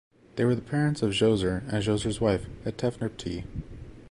They were the parents of Djoser and Djoser's wife Hetephernebti.